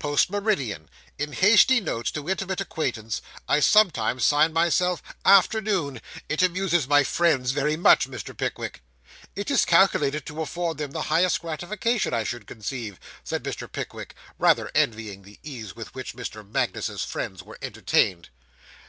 post meridian. In hasty notes to intimate acquaintance, I sometimes sign myself "Afternoon." It amuses my friends very much, Mr. Pickwick.' 'It is calculated to afford them the highest gratification, I should conceive,' said Mr. Pickwick, rather envying the ease with which Mr. Magnus's friends were entertained.